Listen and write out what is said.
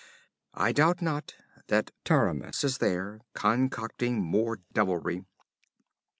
I doubt not that Taramis is there, concocting more devilry.'